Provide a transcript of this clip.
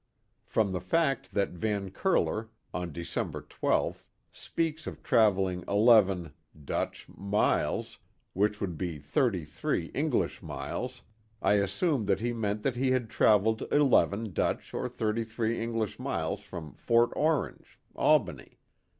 From the fact that Van Curler, on December 12th, speaks of travelling eleven (Dutch) miles, which would be thirty three English miles, I assume that he meant that he had travelled eleven Dutch or thirty three English miles from Fort Orange (Albany).